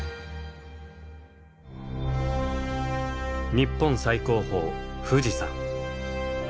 日本最高峰富士山。